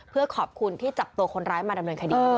เพื่อขอบคุณที่จับตัวคนร้ายมาดำเนินคดี